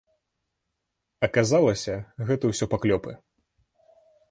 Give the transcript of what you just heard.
Аказалася, гэта ўсё паклёпы.